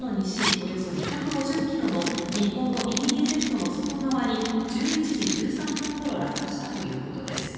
およそ２５０ｋｍの日本のＥＥＺの外側に１１時１３分ごろ落下したということです。